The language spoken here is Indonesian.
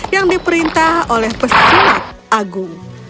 yang diperintah oleh pesilat agung